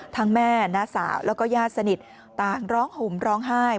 แม่น้าสาวแล้วก็ญาติสนิทต่างร้องห่มร้องไห้